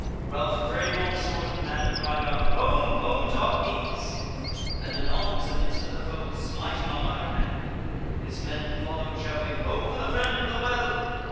Ralph drave on sword in hand, crying out, "Home, home to Upmeads!" and anon was amidst of the foe smiting on either hand. His men followed, shouting: "Ho, for the Friend of the Well!"